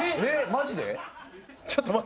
マジで？